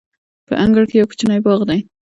په انګړ کې یو کوچنی باغ دی.